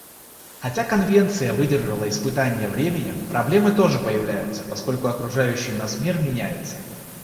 Хотя Конвенция выдержала испытание временем, проблемы тоже появляются, поскольку окружающий нас мир меняется.